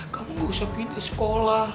kamu gak usah pindah sekolah